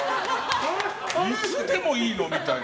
いつでもいいの？みたいな。